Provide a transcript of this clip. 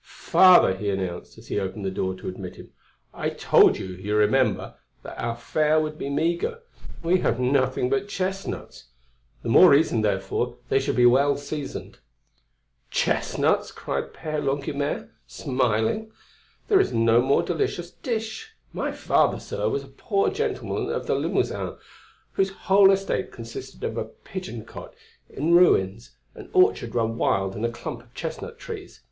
"Father," he announced, as he opened the door to admit him, "I told you, you remember, that our fare would be meagre. We have nothing but chestnuts. The more reason, therefore, they should be well seasoned." "Chestnuts!" cried Père Longuemare, smiling, "there is no more delicious dish. My father, sir, was a poor gentleman of the Limousin, whose whole estate consisted of a pigeon cote in ruins, an orchard run wild and a clump of chestnut trees.